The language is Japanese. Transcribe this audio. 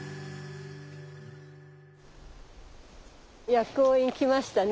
薬王院来ましたね。